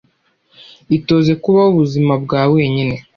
itoze kubaho ubuzima bwa wenyine